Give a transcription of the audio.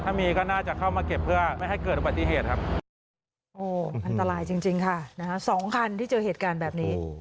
ถ้ามีก็น่าจะเข้ามาเก็บเพื่อไม่ให้เกิดปฏิเหตุครับ